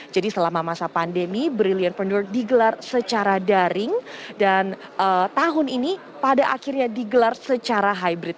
selama masa pandemi brilliantpreneur digelar secara daring dan tahun ini pada akhirnya digelar secara hybrid